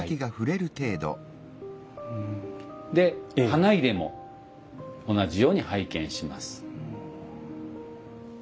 で花入も同じように拝見します。